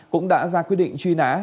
cũng đã ra quyết định truy nã